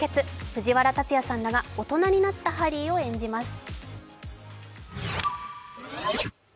藤原竜也さんらが大人になったハリーを演じます。